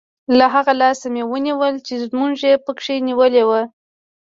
له هغه لاسه مې ونیول چې ږومنځ یې په کې نیولی وو.